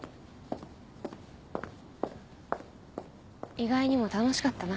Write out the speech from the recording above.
意外にも楽しかったな。